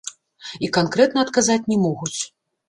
І канкрэтна адказаць не могуць.